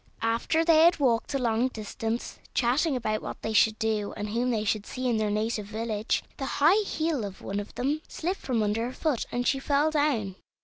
After they had walked a long distance, chatting about what they should do and whom they should see in their native village, the high heel of one of them slipped from under her foot, and she fell down.